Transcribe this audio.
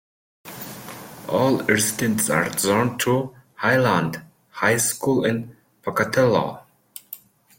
All residents are zoned to Highland High School in Pocatello.